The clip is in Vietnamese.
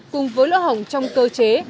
cùng với lỡ hỏng trong cơ chế